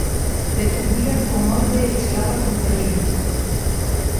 Defendía con orde e chegaba con perigo.